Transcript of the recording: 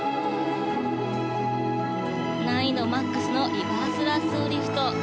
難易度マックスのリバースラッソーリフト。